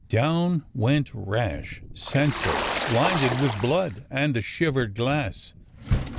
Down went Rash, senseless, blinded with blood and the shivered glass.